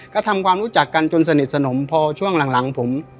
ก็ทำความรู้จักกันจนสนิทสนมพอช่วงหลังผม